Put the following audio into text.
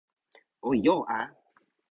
o jo a!